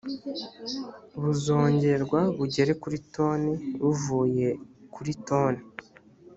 buzongerwa bugere kuri toni buvuye kuri toni